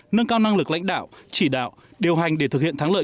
nâng cao năng lực lãnh đạo chỉ đạo điều hành để thực hiện thắng lợi